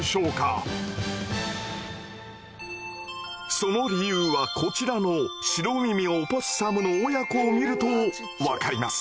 その理由はこちらのシロミミオポッサムの親子を見ると分かります。